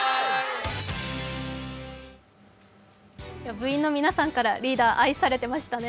部員の皆さんからリーダー愛されてましたね。